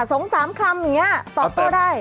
สองสามคำอย่างนี้ตอบโต้ได้